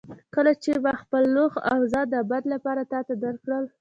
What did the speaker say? کله چې ما خپل روح او ځان د ابد لپاره تا ته درکړل.